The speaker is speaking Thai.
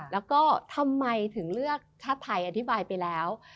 แล้วก็ทำไมถึงเลือกชาติไทยอธิบายไปแล้ว